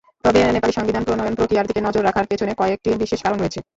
তবে নেপালি সংবিধান প্রণয়ন-প্রক্রিয়ার দিকে নজর রাখার পেছনে কয়েকটি বিশেষ কারণ রয়েছে।